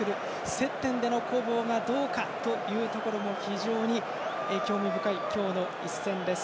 接点での攻防がどうかというところも非常に興味深い今日の一戦です。